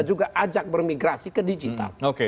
dan juga ajak bermigrasi ke digital